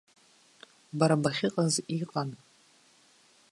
Бара бахьыҟаз иҟан.